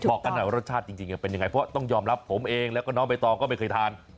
บอกกันหน่อยว่ารสชาติจริงเป็นยังไงเพราะต้องยอมรับผมเองแล้วก็น้องใบตองก็ไม่เคยทาน